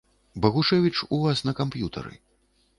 Багушэвіч у вас на камп'ютары.